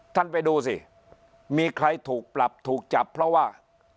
ท่านไปดูสิมีใครถูกปรับถูกจับเพราะว่า